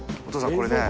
これね